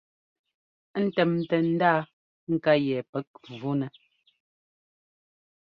Ńtɛ́mtɛ ndaa ŋká yɛ pɛ́k vunɛ.